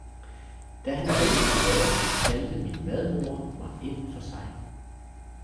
Da han vel var borte, kaldte min madmoder mig ind for sig